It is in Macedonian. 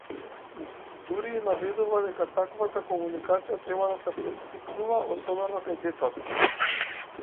Дури и наведува дека таквата комуникација треба да се поттикнува, особено кај децата.